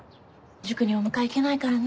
塾にお迎え行けないからね。